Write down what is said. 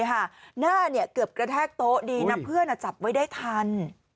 หน้าเกือบกระแทกโต๊ะดีนะเพื่อนจับไว้ได้ทัน